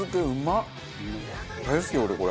大好き俺これ。